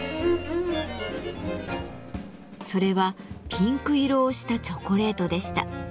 それはピンク色をしたチョコレートでした。